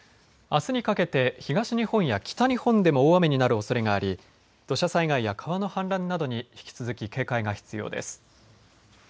あすにかけて東日本や北日本でも大雨になるおそれがあり土砂災害や川の氾濫などに引き続き警戒が必要です。